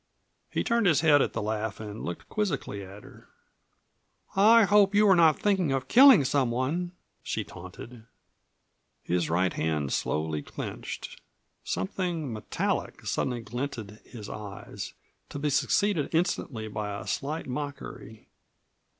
He turned his head at the laugh and looked quizzically at her. "I hope you were not thinking of killing some one?" she taunted. His right hand slowly clenched. Something metallic suddenly glinted his eyes, to be succeeded instantly by a slight mockery.